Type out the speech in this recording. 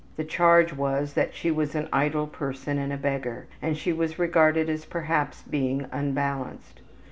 The charge was that she was an idle person and a beggar, and she was regarded as perhaps being unbalanced.